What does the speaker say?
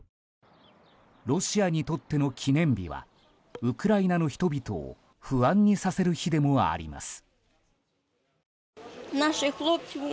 ロシアにとっての記念日はウクライナの人々を不安にさせる日でもあります。